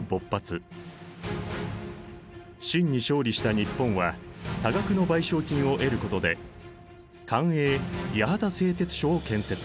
清に勝利した日本は多額の賠償金を得ることで官営八幡製鉄所を建設。